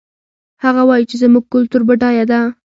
هغه وایي چې زموږ کلتور بډایه ده